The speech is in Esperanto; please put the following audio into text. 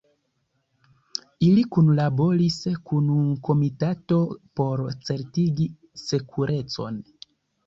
Ili kunlaboris kun komitato por certigi sekurecon.